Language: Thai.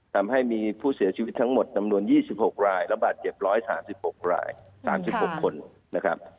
ทำให้มีผู้เสียชีวิตทั้งหมดจำนวน๒๖รายระบาดเจ็บ๑๓๖ราย๓๖คนนะครับ